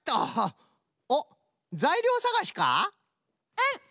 うん。